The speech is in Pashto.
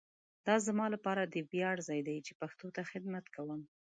دا زما لپاره د ویاړ ځای دی چي پښتو ته خدمت کوؤم.